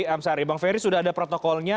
eh maaf bang ferry sudah ada protokolnya